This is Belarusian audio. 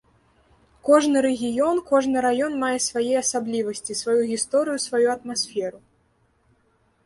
Кожны рэгіён, кожны раён мае свае асаблівасці, сваю гісторыю, сваю атмасферу.